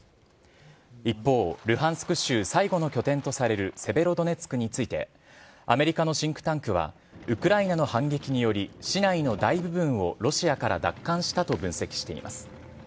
一方、ルハンスク州最後の拠点とされるセベロドネツクについて、アメリカのシンクタンクは、ウクライナの反撃により、市内の大部分をロシアから奪還したと分析しています。